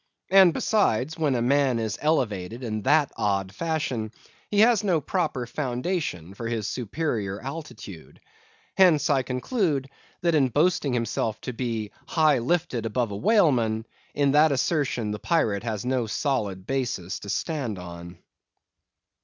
And besides, when a man is elevated in that odd fashion, he has no proper foundation for his superior altitude. Hence, I conclude, that in boasting himself to be high lifted above a whaleman, in that assertion the pirate has no solid basis to stand on.